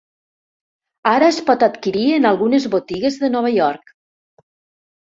Ara es pot adquirir en algunes botigues de Nova York.